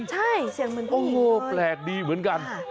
ใช่เสียงเหมือนกันโอ้โหแปลกดีเหมือนกัน